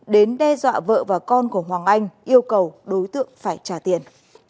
đến đe dọa vợ và con của hoàng anh yêu cầu đối tượng phải trả tiền